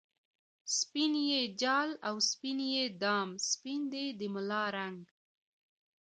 سپین یی جال او سپین یی دام ، سپین دی د ملا رنګ